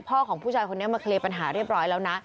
ของผู้ชายคนนี้มาเคลียร์ปัญหาเรียบร้อยแล้วนะ